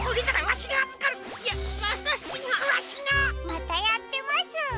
またやってます。